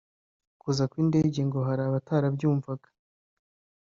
Kuza kw’indege ngo hari abatarabyumvaga